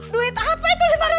duit apa itu lima ratus juta